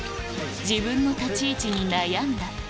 「自分の立ち位置に悩んだ」